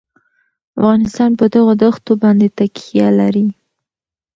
افغانستان په دغو دښتو باندې تکیه لري.